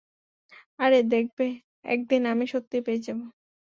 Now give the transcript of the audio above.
আর দেখবে একদিন আমি সত্যিই পেয়ে যাব।